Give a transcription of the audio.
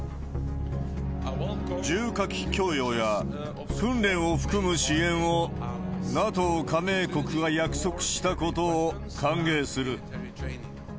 重火器供与や訓練を含む支援をＮＡＴＯ加盟国が約束したことを歓迎する。